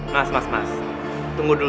mas mas mas tunggu dulu